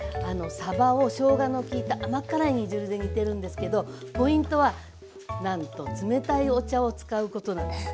さばをしょうがの利いた甘辛い煮汁で煮てるんですけどポイントはなんと冷たいお茶を使うことなんです。